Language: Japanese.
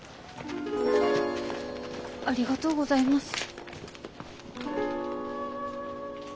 ありがとうございます。